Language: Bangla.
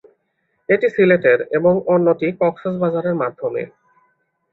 একটি সিলেটের এবং অন্যটি কক্সবাজারের মাধ্যমে।